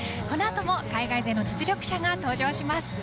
このあとも海外勢の実力者が登場します。